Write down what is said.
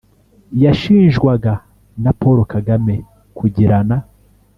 yashinjwaga na paul kagame kugirana